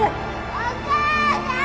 お母さん！